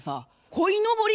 こいのぼり？